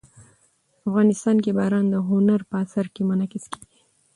افغانستان کې باران د هنر په اثار کې منعکس کېږي.